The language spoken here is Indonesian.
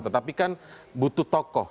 tetapi kan butuh tokoh